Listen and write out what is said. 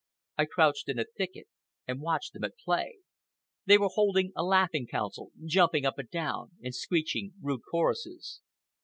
I crouched in a thicket and watched them at play. They were holding a laughing council, jumping up and down and screeching rude choruses.